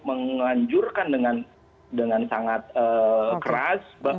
menglanjurkan dengan sangat keras